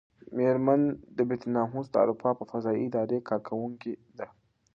مېرمن بینتهاوس د اروپا د فضايي ادارې کارکوونکې ده.